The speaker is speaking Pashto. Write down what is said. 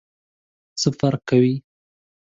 څه فرق کوي ؟